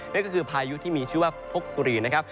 นั่นก็คือพายุที่มีชื่อว่าพกสุรีนะครับ